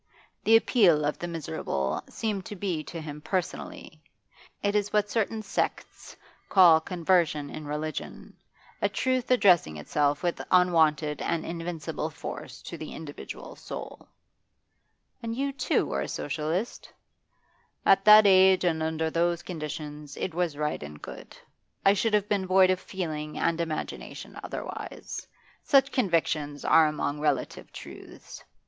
The appeal of the miserable seemed to be to him personally. It is what certain sects call conversion in religion, a truth addressing itself with unwonted and invincible force to the individual soul.' 'And you, too, were a Socialist?' 'At that age and under those conditions it was right and good. I should have been void of feeling and imagination otherwise. Such convictions are among relative truths.